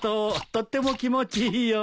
とっても気持ちいいよ。